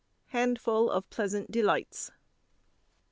HANDEFULL OF PLEASANT DELITES.